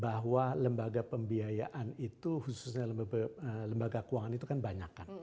bahwa lembaga pembiayaan itu khususnya lembaga keuangan itu kan banyak kan